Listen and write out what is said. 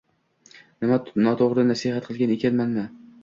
Nima noto‘g‘ri nasihat qilgan ekanmanmi?